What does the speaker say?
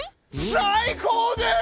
最高です！